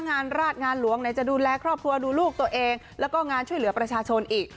งานราชงานหลวงไหนจะดูแลครอบครัวดูลูกตัวเองแล้วก็งานช่วยเหลือประชาชนอีก